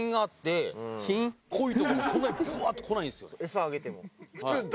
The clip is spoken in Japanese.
餌あげても。